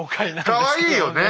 かわいいよね。